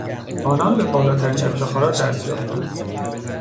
آنان به بالاترین افتخارات دست یافتند.